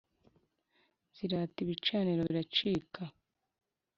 zirata ibicaniro biracika